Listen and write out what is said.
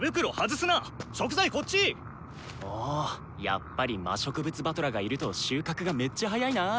やっぱり魔植物師団がいると収穫がめっちゃ早いな。